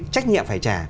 trách nhiệm phải trả